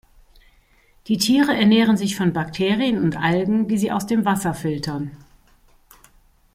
Die Tiere ernähren sich von Bakterien und Algen, die sie aus dem Wasser filtern.